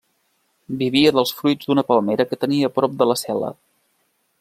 Vivia dels fruits d'una palmera que tenia prop de la cel·la.